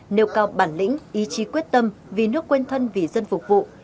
nêu cao bản lĩnh ý chí quyết tâm vì nước quên thân vì dân phục vụ